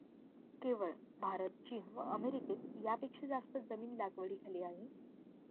केवळ भारत, चीन व अमेरिकेत यापेक्षा जास्त जमीन लागवडीखाली आहे.